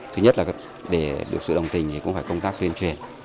thứ nhất là để được sự đồng tình thì cũng phải công tác tuyên truyền